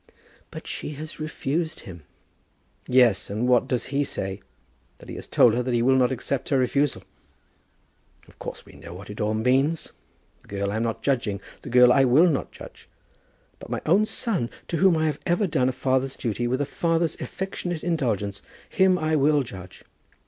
"But she has refused him." "Yes; and what does he say? that he has told her that he will not accept her refusal. Of course we know what it all means. The girl I am not judging. The girl I will not judge. But my own son, to whom I have ever done a father's duty with a father's affectionate indulgence, him I will judge.